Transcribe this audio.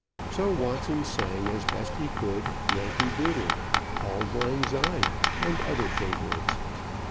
So Watson sang, as best he could, "Yankee Doodle," "Auld Lang Syne," and other favorites.